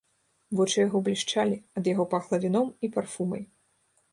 Вочы яго блішчалі, ад яго пахла віном і парфумай.